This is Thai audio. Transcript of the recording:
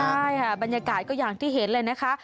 ใช่ค่ะบรรยากาศก็อย่างที่เห็นเลยนะคะ